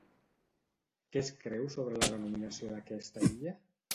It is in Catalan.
Què es creu sobre la denominació d'aquesta illa?